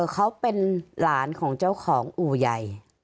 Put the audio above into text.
เขาเป็นหลานของเจ้าของอู่ใหญ่